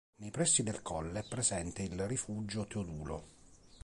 Nei pressi del colle è presente il rifugio Teodulo.